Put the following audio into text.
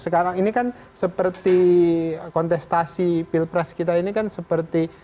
sekarang ini kan seperti kontestasi pilpres kita ini kan seperti